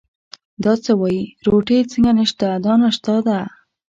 دا څه وایې، روټۍ څنګه نشته، دا ناشتا ده.